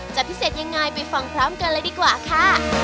จะพิเศษยังไงไปฟังพร้อมกันเลยดีกว่าค่ะ